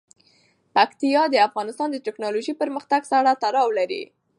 پکتیا د افغانستان د تکنالوژۍ پرمختګ سره تړاو لري.